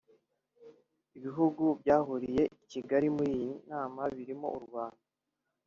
Ibihugu byahuriye i Kigali muri iyi nama birimo u Rwanda